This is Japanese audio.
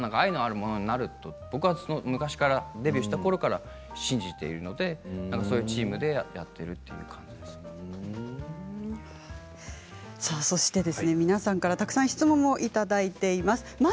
ものになると僕は昔からデビューしたころから信じているのでチームでやっている皆さんからたくさん質問もいただいています。